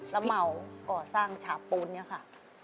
รับเหมาอกอสร้างฉาปูนเนี่ยค่ะ